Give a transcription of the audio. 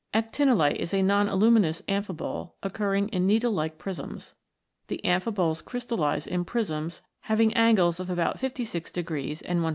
Actinolite is a non aluminous amphibole occurring in needle like prisms. The amphiboles crystallise in prisms having angles of about 56 and 124. See Pyrox enes.